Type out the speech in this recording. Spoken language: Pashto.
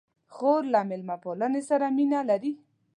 خور له میلمه پالنې سره مینه لري.